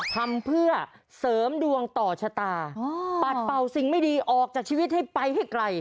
ทำเพื่อเสริมดวงต่อชะตาปัดเป่าสิ่งไม่ดีออกจากชีวิตให้ไปให้ไกล